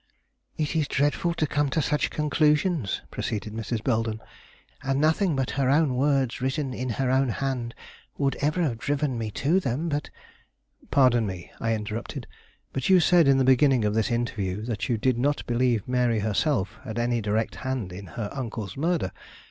"It is dreadful to come to such conclusions," proceeded Mrs. Belden, "and nothing but her own words written in her own hand would ever have driven me to them, but " "Pardon me," I interrupted; "but you said in the beginning of this interview that you did not believe Mary herself had any direct hand in her uncle's murder.